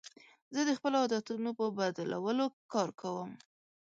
زه د خپلو عادتونو په بدلولو کار کوم.